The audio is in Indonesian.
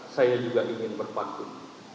saya juga ingin berpakun